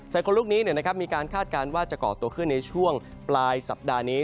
คนลูกนี้มีการคาดการณ์ว่าจะก่อตัวขึ้นในช่วงปลายสัปดาห์นี้